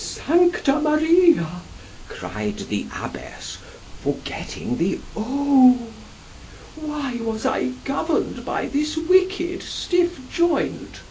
Sancta Maria! cried the abbess (forgetting the O!)—why was I govern'd by this wicked stiff joint?